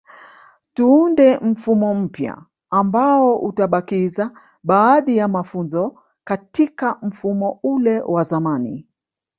Tuunde mfumo mpya ambao utabakiza baadhi ya mafunzo katika mfumo ule wa zamani